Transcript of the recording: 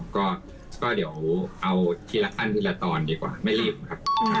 ก็เดี๋ยวเอาทีละขั้นทีละตอนดีกว่าไม่รีบครับ